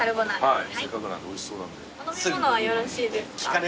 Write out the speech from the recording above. はい。